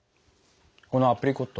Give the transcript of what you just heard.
このアプリコット。